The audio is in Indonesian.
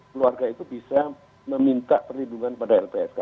keluarga itu bisa meminta perlindungan kepada lpsk